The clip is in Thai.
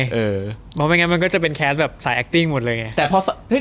เพราะไม่งั้นมันก็จะเป็นแคสแบบสายแอคติ้งหมดเลยไง